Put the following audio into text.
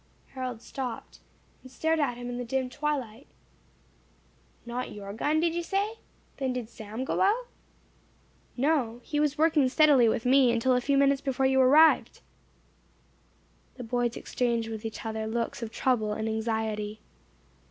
Harold stopped, and stared at him in the dim twilight. "Not your gun, did you say? Then did Sam go out?" "No. He was working steadily with me, until a few minutes before you returned." The boys exchanged with each other looks of trouble and anxiety.